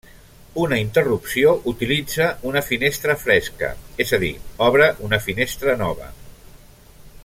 Una interrupció utilitza una finestra fresca, és a dir, obre una finestra nova.